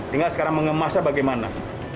tinggal sekarang mengemasnya bagaimana